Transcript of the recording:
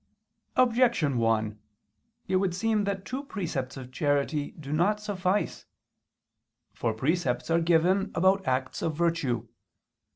Objection 1: It would seem that two precepts of charity do not suffice. For precepts are given about acts of virtue.